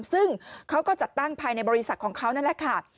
ซึ่งเขาก็จัดตั้งภายในบริษัทของเขานั่นแหละค่ะ